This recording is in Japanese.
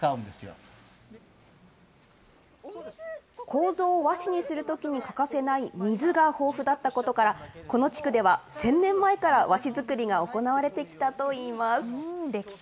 こうぞを和紙にするときに欠かせない水が豊富だったことから、この地区では、１０００年前から和紙作りが行われてきたといいます。